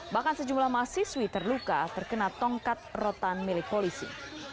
bahkan sejumlah mahasiswi terluka terkena tongkat rotan milik polisi